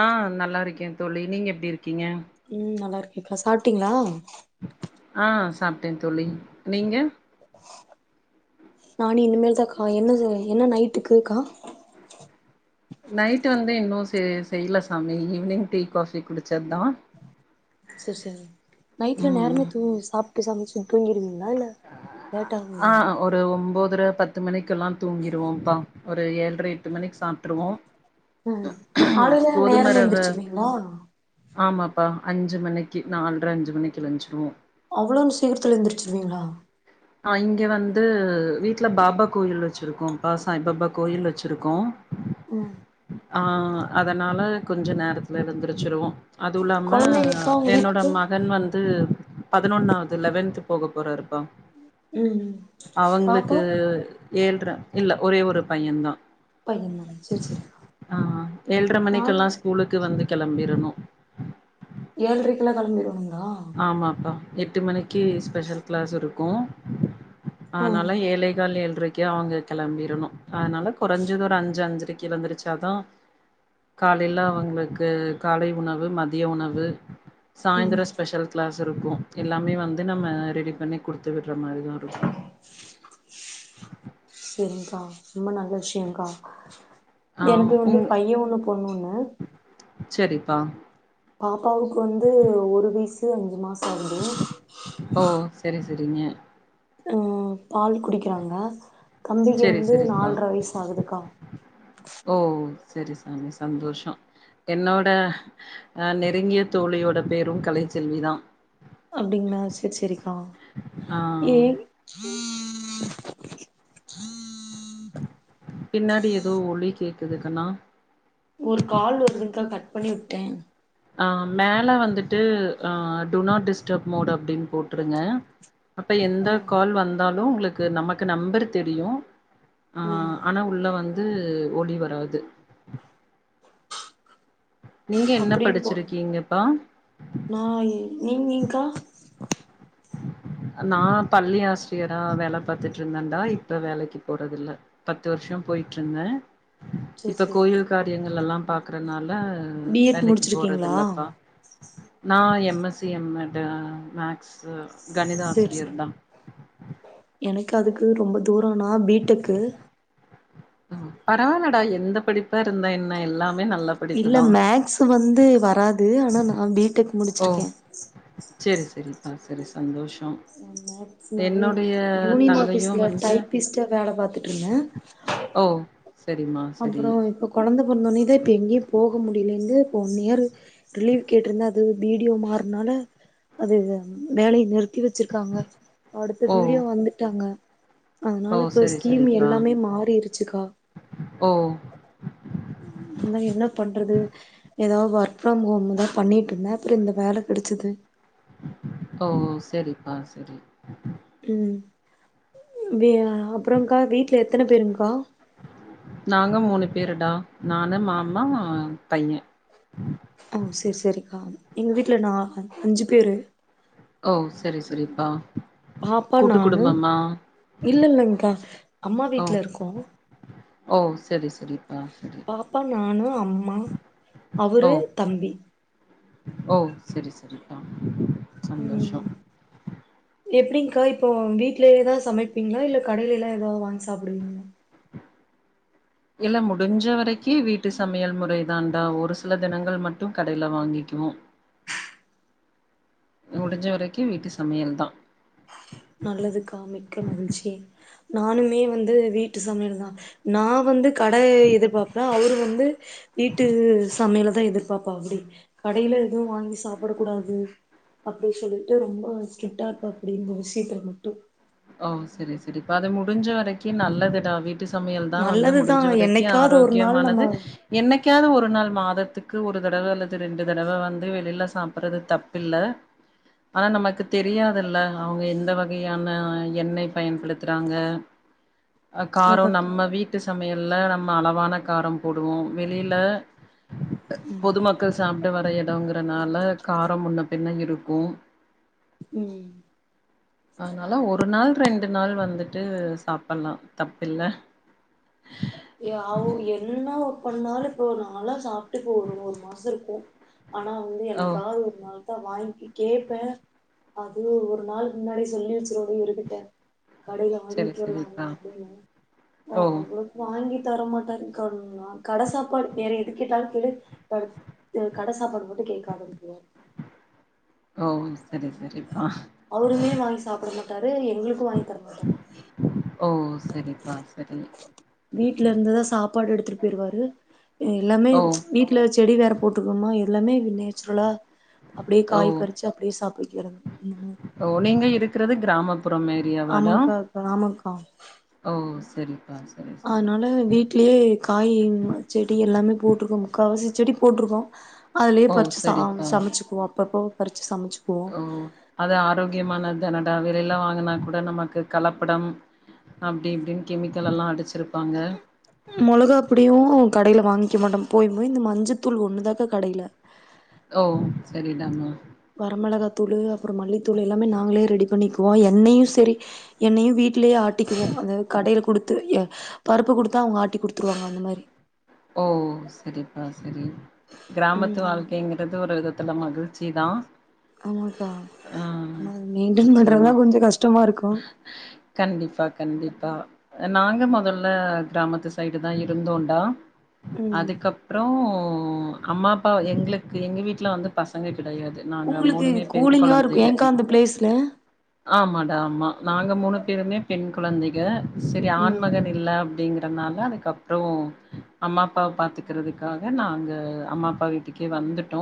ஆ நல்லா இருக்கே தோழி நீங்க எப்டி இருக்கீங்க ம் நல்லா இருக்கேக்கா சாப்ட்டீங்களா ஆ சாப்ட்டே தோழி நீங்க நானு இனிமேல் தான்க்கா என்னது என்ன நைட்டுக்குக்கா நைட் வந்து இன்னும் செய் செய்யல சாமி ஈவினிங் டீ காஃபி குடிச்சது தா சரி சரி நைட்ல ம் நேரமே தூங்கி சாப்பிட்டு சமைச்ச தூங்கிருவீங்களா இல்ல ஆ லேட்டாகுங்களா ஒரு ஒம்பதுரை பத்து மணிக்கெல்லா தூங்கிடுவோம்ப்பா ஒரு ஏழ்ர எட்டு மணிக்கு சாப்ட்ருவோ ம் காலைல கோதும நேரமே ரவ எந்திருச்சுமீங்களா ஆமாப்பா அஞ்சு மணிக்கு நாலரை அஞ்சு மணிக்கு எழிஞ்சிருவோ அவ்வளவு சீக்கிரத்துல எந்துருச்சிருவீங்களா ஆ இங்க வந்து வீட்டுல பாபா கோயில் வச்சிருக்கோ பா சாய் பாபா கோயில் வச்சிருக்கோ ம் ஆ அதனால கொஞ்ச நேரத்துல எழுந்துருச்சிருவோ அதுவு இல்லாம கொழந்தைங்கக்கா உங்க என்னோட வீட்டுக்கு மகன் வந்து பதினொன்னாவது லெவன்த் போக போறருப்பா ம் ம் பாப்பா அவங்களுக்கு ஏழ்ர இல்ல ஒரே ஒரு பையந்தா பையன் தானா செரி செரிக்கா ஆ ஏள்ர நானு மணிக்கெல்லா ஸ்கூலுக்கு வந்து கெளம்பிரணு ஏள்ரைக்குலா கெளம்பிருவாங்ளா ஆமாப்பா எட்டு மணிக்கு ஸ்பெஷல் கிளாஸ் இருக்கு அ ம் னாலா ஏழே கால் எள்றைக்கு கே அவுங்க கெளம்பிர்ணு அதனால கொறைஞ்சது ஒரு அஞ்சு அஞ்சரை எழந்திருச்சாதா காலையில அவங்களுக்கு காலை உணவு மதிய உணவு ம் சாய்ந்தரோ ஸ்பெஷல் கிளாஸ் இருக்கு எல்லாமே வந்து நம்ம ரெடி பண்ணி குடுத்து விட்ற மாரி தா இருக்கு சரி்ங்கா ரொம்ப நல்ல விஷ்யகா ஆ எனக்கு வந்து பைய ஒண்ணு பொண்ணொன்னு சரிப்பா பாப்பாவுக்கு வந்து ஒரு வயசு அஞ்சு மாசோ ஆகுது ஓ சரி சரிங்க ம் பால் குடிக்கிறாங்க தம்பிக்கு செரி வந்து செரிப்பா நால்ர வயசு ஆகுதுக்கா ஓ சரி சாமி சந்தோஷோ என்னோட அ நெருங்கிய தோழியோட பேரும் கலைச்செல்விதா அப்டிங்களா சரி சரிக்கா ஆ ஏ ம் பின்னாடி எதோ ஒலி கேக்குது கண்ணா ஒரு கால் வருதுங்க்கா கட் பண்ணி உட்ட அ மேல வந்துட்டு அ டு நாட் டிஸ்டர்ப் மோட் அப்டின்னு போட்ருங்க அப்போ எந்த ம் கால் வந்தாலு உங்களுக்கு நமக்கு நம்பர் தெரியு ஆ ம் ஆனா உள்ள வந்து ஒலி வராது நீங்க என்ன அப்டின்னு போடுங்க படிச்சிருக்கீங்கப்பா நா இ நீங் நீங்கா நா பள்ளி ஆசிரியரா வேல பாத்துட்டு இருந்தன்டா இப்ப வேலைக்கு போறது இல்ல பத்து வருஷம் போய்ட்ருந்த செரி இப்ப செரி கோயில் காரியங்கள்லல்லா பாக்றனால ம் பி எட் வேலைக்கு போறது முடிச்சிருக்கீங்களா இல்லப்பா நா எம் எஸ் சி எம் மேடு மேக்ஸு சரி சரி எனக்கு அதுக்கு ரொம்ப தூரோ நா பீ டெக்கு பரவாலடா எந்த படிப்பா இருந்தா என்ன எல்லாமே நல்ல படிப்பு இல்ல தா மேக்ஸ் வந்து வராது ஆனா நா பீ டெக் முடிச்சிருக்கே சரி சரிப்பா சரி சந்தோஷோ மேக்ஸ்னாவே என்னுடைய யூனியன் தங்கையு ஆஃபிஸ்ல வந்து டைப்பிஸ்ட்டா வேல பாத்துட்ருந்த ஓ சரிம்மா சரி அப்றோ இப்ப கொழந்த பொறந்தோனே தா இப்ப எங்கேயு போக முடில இப்ப ஒன் இயரு லீவ் கேட்ருந்த அது வீடியோ மாற்னால அது வேலைய நிறுத்தி வச்சிருக்காங்க அடுத்த ஓ வீடியோ வந்துட்டாங்க ஓ அதனால இப்ப சரி ஸ்கீம் சரிப்பா எல்லாமே மாறிருச்சுக்கா ஓ அதா என்ன பண்றது எதா ஒர்க் ஃப்ரம் ஹோம் தா பண்ணிட்டு இருந்தே அப்றோ இந்த வேல கெடச்சுது ஓ செரிப்பா செரி ம் வெ அப்றோ கா வீட்ல எத்தன பேருன் கா நாங்க மூணு பேருடா நானு மாமா பைய ஓ செரி செரிக்கா எங்க வீட்ல நா அஞ்சு பேரு ஓ செரி செரிப்பா பாப்பா நானு இல்லலைங்க்கா அம்மா ஓ வீட்லருக்கோ ஓ செரி செரி பாப்பா நானு அம்மா ஓ அவரு தம்பி ஓ செரி செரிப்பா சந்தோஷோ ம் எப்டிங்க்கா இப்போ வீட்லயே தா சமைப்பிங்ளா இல்ல கடையிலல்லா எதாத் வாங்கி சாப்டுவிங்ளா இல்ல முடிஞ்ச வரைக்கு வீட்டு சமையல் முறை தான்டா ஒரு சில தினங்கள் மட்டு கடையில வாங்கிக்குவோ ஹ [inaudible] முடிஞ்ச வரைக்கு வீட்டு சமையல் தா நல்லதுக்கா மிக்க மகிழ்ச்சி நானுமே வந்து வீட்டு சமையல்தா நா வந்து கடே எதிர்பாப்பே அவுரு வந்து வீட்டு சமையல்தா எதிர்பாப்பாப்டி கடையில எது வாங்கி சாப்பிட கூடாது அப்டி சொல்லிட்டு ரொம்போ ஸ்டிரிக்ட்டா இருப்பாப்பப்டி இந்த விஷயத்ல மட்டு ஓ செரி செரி இப்ப அது முடிஞ்ச வரைக்கு நல்லதுடா வீட் டு சமையல் தா வந்து நல்லதுதா முடிஞ்ச வரைக்கு என்னைக்காவது ஒரு நாள் நம்ம ஆரோக்கியமானது என்னைக்காவது ஒரு நாள் மாதத்துக்கு ஒரு தடவ அல்லது ரெண்டு தடவ வந்து வெளில சாப்பிடுறது தப்பில்ல ஆனா நமக்கு தெரியாதுல்ல அவுங்க எந்த வகையான எண்ணெய் பயன்படுத்துறாங்க அ காரோ ஆமாக்கா நம்ம வீட் டு சமையல்ல நம்ம அளவான காரோ போடுவோ வெளில பொதுமக்கள் சாப்பிட வர எடோங்கறனால காரோ முன்ன பின்ன இருக்கு ம் அதனால ஒ ரு நாள் ரெண்டு நாள் வந்துட்டு சாப்பட்லா தப்பில்ல ஏ அவுங்க என்ன ஒ பண்ணாலு இப்போ நாலா சாப்ட்டு இப்ப ஒரு ஒரு மாசருக்கு ஆனா வந்து ஓ என்னைக்காவுது ஒரு நாள் தா வாங்கி கேப்பே அதுவு ஒரு நாளுக்கு முன்னாடியே சொல்லி வெச்சிருவே இவுருக்கிட்டே கடைல சரி வாங்கிட் வரலாமா சரிப்பா அப்டின்னு [unintelligible] ஓ அவ வாங்கி தரமாட்டாருங்க்கா நா கட சாப்பாடு வேற எது கேட்டாலு கேளு த இது கட சாப்பாடு மட்டு கேட்காதுன்ருவாரு ஓ செரி செரி அவுருமே வாங்கி சாப்ட மாட்டாரு எங்ளுக்கு வாங்கி தரமாட்டாரு ஓ செரிப்பா செரி வீட்ல இருந்துதா சாப்பாடு எடுத்துட்டு போயிருவாரு எல்லாமே ஓ வீட் ல செடி வேற போட்ருக்கோமா எல்லாமே நேச்சுரலா அப்டியே ஓ காய் பறிச்சு அப்டியே சாப்பிக்கிறங் அந்த மாரி ஓ நீங்க இருக்கிறது கிராமப்புறம் ஏரியாவாடா ஆமாக்கா அக்கா, ஆமாக்கா ஓ செரிப்பா அதனால வீட் லயே காய் செடி எல்லாமே போட்ருக்கோம் முக்காவாசி செடி போட்ருக்கோ அதுலயே ஓ பறிச்சி சா சரிப்பா சமச்சிக்குவோ அப்பப்போ பறிச்சி சமச்சிக்குவோ ஓ அது ஆரோக்கியமானத் தானடா வெளிலல்லா வாங்கினா கூட நமக்கு கலப்படம் அப்டி இப்டின் கெமிக்கல் எல்லா அடிச்சிருப்பாங்க மொளகா பொடியு கடைல வாங்கிக்க மாட்டோ போயு போயு இந்த மஞ்சத்தூள் ஒண்ணுதாக்கா கடைல ஓ செரிடாமா வரமெளகாத்தூளு அப்பற மல்லித்தூளு எல்லாமே நாங்களே ரெடி பண்ணிக்குவோ எண்ணெய்யு செரி எண்ணெய்யு வீட்லே ஆட்டிகுவோ அதாவ்து கடைல குடுத் து எ பருப்பு குடுத்தா அவ்ங்க ஆட்டி குடுத்துருவாங்க அந்த மாரி ஓ செரிப்பா செரி கிராமத்து ம் வாழ்க்கைங்கிற இது ஒரு விதத்துல மகிழ்ச்சி தா ஆமாக்கா ஆ ஆனா மெய்டன் பண்றதுதா நிச்சயமா கொஞ்ச கஷ்டமா இருக்கு கண்டிப்பா கண்டிப்பா அ நாங்க மொதல்ல கிராமத்து சைடு தா இருந்தோன்டா ம் அதுக்கப்றோ அம்மா அப்பா எங்களுக்கு எங்கள் வீட்ல வந்து பசங்க கிடையாது நாங்க உங்களுக்கு பெண் கூலிங்கா இருக்கு குழந்தைக. ஏங்க்கா அந்த பிளேஸ்ல ஆமாடா ஆமா நாங்க மூணு பேருமே பெண் குழந்தைக செரி ம் ஆன்மகன் இல்ல அப்டிங்கிற தனால அதுக்கப்றோ அம்மா அப்பாவ பாத்துக்குறதுக்காக நாங்க அம்மா அப்பா வீட்டுக்கே வந்துட்டோ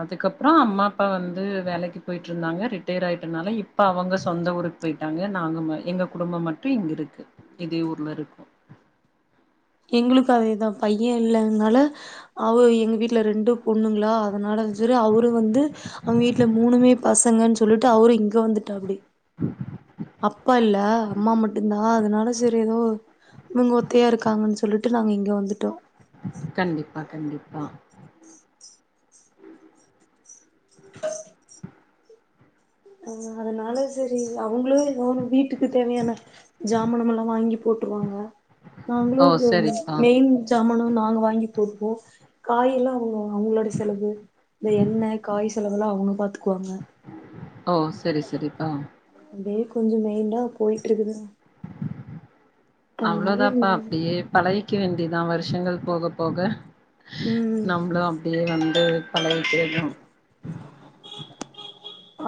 அதுக்கப்றோ அம்மா அப்பா வந்து வேலைக்கு போயிட்ருந்தாங்க ரிட்டையர் ஆயிட்டனால இப்போ அவங்க சொந்த ஊருக் போயிட்டாங்க நாங்க ம எங்க குடும்ப மட்டு இங்க இருக்கு இதே ஊர்ல இருக்கோ எங்களுக்கு அதேதா பைய இல்லாதனால அவ எங்க வீட்ல ரெண்டு பொண்ணுங்ளா அதனால செரி அவரு வந்து அவ்ங்க வீட்ல மூணுமே பசங்கன் சொல்லிட்டு அவரு இங்க வந்துட்டாப்டி அப்பா இல்ல அம்மா மட்டுந்தா அதனால சேரி ப்ற எதோ இவுங்க ஒத்தையா இருக்காங்கன் சொல்லிட்டு நாங்க இங்க வந்துட்டோ கண்டிப்பா கண்டிப்பா ஆ அதனால செரி அவ்ங்களே எதாவ்து வீட்டுக்கு தேவையான ஜாமனமெல்லா வாங்கி போட்ருவாங்க நாங்களு ஓ இருக்கதுனால சரிப்பா மெயின் சாமன நாங்க வாங்கி போட்ருவோ காயெல்லா அவ்ங்க அவ்ங்களோட செலவு இந்த எண்ணெ காய் செலவுலா அவுங்க பாத்துக்குவாங்க ஓ செரி செரிப்பா அப்டியே கொஞ்ச மயிண்டா போயிட்ருக்குதுங்க அவ்ளோதாப்பா அப்டியே பழகிக்க வேண்டியதா வருஷங்கள் போக போக ம் நம்பளு அப்டியே வந்து பழகிக்கிறனு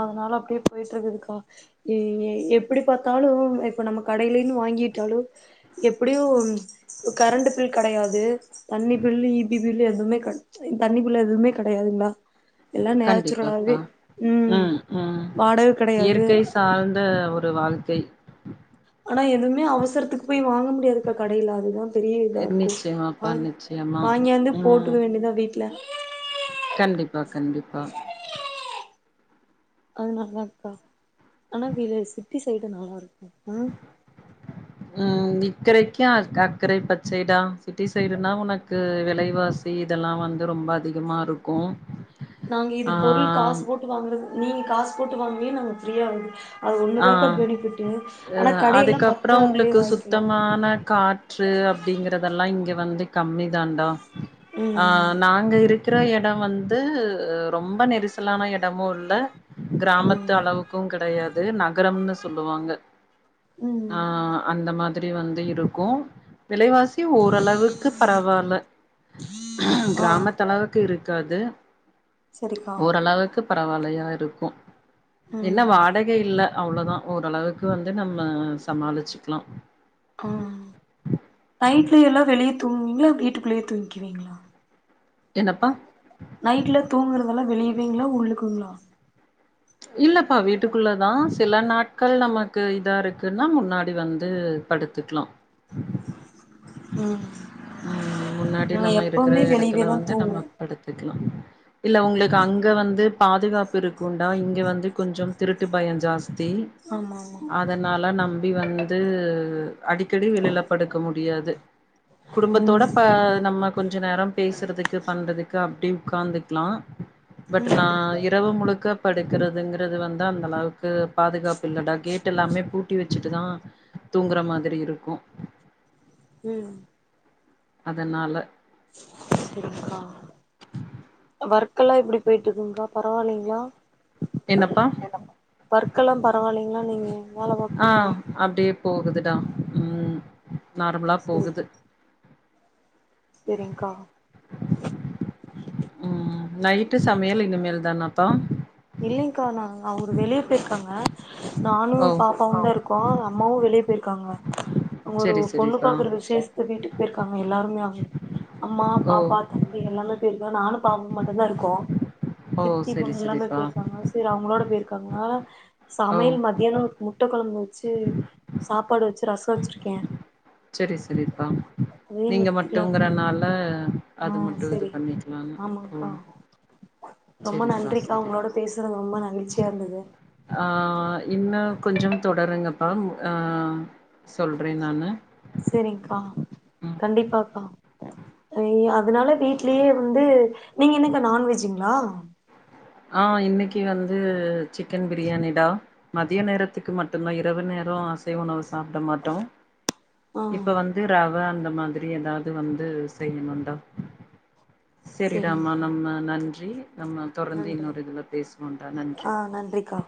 அதனால அப்டியே போயிட்ருக்குதுக்கா எ எ எப்பிடி பாத்தாலு இப்ப நம்ம கடைலருந்து வாங்கிட்டாலு எப்டியு இப்ப கரண்ட்டு பில் கெடையாது தண்ணி பில்லு இ பி பில்லு எதுமே கெட் தண்ணி பில்லு எதுமே கெடையாதுங்ளா எல்லா கண்டிப்பாப்பா நேச்சுராலாவே ம் வாடக கெடையாது இயற்கை சார்ந்த ஒரு வாழ்க்கை ஆனா எதுவுமே அவசரத்துக்கு போய் வாங்க முடியாதுக்கா கடைல அதுதா பெரிய இதா இருக்கு நிச்சயமாப்பா வாங்கி நிச்சயமா வாங்கியாந்து ம் போட்டுக்க வேண்டியதா வீட்ல கண்டிப்பா கண்டிப்பா அதுனாலதா அக்கா ஆனா வீடு சிட்டி சைடு நல்லா இருக் ம் இக்கறைக்கு அக் அக்கறை பச்சைதா சிட்டி சைடுனா உனக்கு விலைவாசி இதெல்லா வந்து ரொம்ப அதிகமா இருக்கு நாங்க இது ஆ பொருள் காசு போட்டு வாங்கறது நீங்க காசு போட்டு வாங்றிய நாங்க ஃப்ரீயா வருது அது அ ஒண்ணுதாக்கா பெனிஃபிட் ஆனா கடையெல்லா பத்து அதுக்கப்றோ ரூபாக்குள்ளயே உங்களுக்கு வாங்கிக்கலா சுத்தமான கா ற்று அப்படிங்கறதெல்லா இங்க வந்து கம்மி தான்டா அ ம் நாங்க இருக்குற எடோ வந்து ரொம்ப நெரிசலான எடமு இல்ல கிராமத்து ம் அளவுக்கு கெடையாது நகரம்னு சொல்லுவாங்க ம் அ அந்த மாதிரி வந்து இருக்கு விலைவாசி ஓரளவுக்கு பரவால்ல ஆ கிராமத்து அளவு க்கு இருக்காது சரிக்கா ஓரளவுக்கு பரவாலையா இருக்கு ம் என்ன வாடக இல்ல அவ்ளோதா ஓரளவுக்கு வந்து நம்ம சமாளிச்சிக்லா ஓ நைட்ல எல்லா வெளியே தூங்குவீங்ளா வீட்டுக்குள்ளயே தூங்கிவீங்ளா என்னப்பா நைட்ல தூங்குறதெல்லா வெளியவீங்ளா உள்ளுக்குங்ளா இல்லப்பா வீட்டுக்குள்ளதா சில நாட்கள் நமக்கு இதா இருக்குன்னா முன்னாடி வந்து படுத்துக்லா ம் ம் முன்னாடி நாங்க நம்ம இருக்ற எப்பவுமே எடத்துல வெளியவேதா வந்து தூங்குவோ நம்ம படுத்துக்லா இல்ல உங்ளுக்கு அங்க வந்து பாதுகாப்பு இருக்குண்டா இங்க வந்து கொஞ்சோ திருட்டு பயோ ஜாஸ்தி ஆமா ஆமா அதனால நம்பி வந்து அடிக்கடி வெளில படுக்க முடியாது குடும்பத்தோட ம் ப நம்ம கொஞ்ச நேரம் பேசுறதுக்கு பண்றதுக்கு அப்டி உட்காந்துக்லா பட் நா இரவு முழுக்க படுக்குறதுங்றது வந்து அந்த அளவுக்கு பாதுகாப்பு இல்லடா கேட் டு எல்லாமே பூட்டி வச்சுட்டுதா தூங்ற மாதிரி இருக்கு ம் அதனால சேரிங்க்கா வொர்க்கெல்லா எப்டி பொய்ட்ருக்குங்க்கா பரவால்லிங்ளா என்னப்பா ஒர்க்கெல்லா பரவால்லிங்ளா நீங்க வேல ஆ பாக்குரதுலா அப்டியே போகுதுடா நார்மலா போகுது சேரிங்கா ம் நைட்டு சமையல் இனிமேல் தானாப்பா இல்லைங்க்கா நா அவரு வெளிய பெய்ருக்காங்க நானு ஓ பாப் பாவுதா இருக்கோ அம்மாவு வெளிய பொய்ருக்காங்க அங்க ஒரு செரி பொண்ணு செரிப்பா பாக்குற விஷேஷ த்து வீட்டுக்கு பெய்ருக்காங்க எல்லாருமே அங் அம்மா ஓ பாப்பா தம்பி எல்லாம பெய்ருக்காங்க நானு பாப்பாவு மட்டுதா இருக்கோ ஓ சித்தி செரி பொண்ணு எல்லாமே செரிப்பா இருக்காங்க சேரி அவுங்ளோட பெய்ருக்காங்க ஓ சமையல் மத்தியானோ முட்ட கொழம்பு வச்சு சாப்பாடு வச்சு ரசோ வச்சிருக்கே செரி செரிப்பா அதையு நீங்க நிறுத்திக்கலான்ட்டு மட்டும்ங்றனால ஆ அது மட்டு இது செரி பண்ணிக்லானு‌ ஓ ஆமாங்க்கா ரொம்ப செரிப்பா நன்றிக்கா செரி உங்ளோட பேசுறது ரொம்ப மகிழ்ச்சியா இருந்துது அ இன்ன கொஞ்சோ தொடருங்கப்பா அ சொல்றே நானு செரிக்கா ம் கண்டிப்பாக்கா ய் அதனால வீட்லயே இருந்து நீங்க என்னக்கா நான்வெஜ்ங்ளா அ இன்னைக்கு வந்து சிக்கன் பிரியாணிடா மதிய நேரத்துக்கு மட்டுதா இரவு நேரோ அசைவ உணவு சாப்ட மாட்டோ ஆ இப்ப வந் து ரவ அந்த மாதிரி ஏதாவ்து வந்து செய்யணு டா செரிடாம்மா செரிங்க்கா நம்ம நன்றி நம்ம தொடர்ந்து நன்றி இன்னொரு இதுல பேசுவோம்டா நன்றி ஆ நன்றிக்கா